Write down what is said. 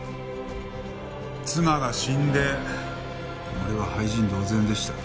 妻が死んで俺は廃人同然でした。